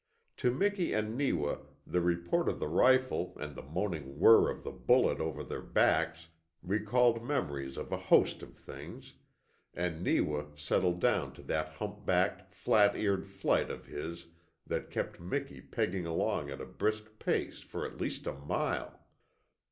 To Miki and Neewa the report of the rifle and the moaning whirr of the bullet over their backs recalled memories of a host of things, and Neewa settled down to that hump backed, flat eared flight of his that kept Miki pegging along at a brisk pace for at least a mile.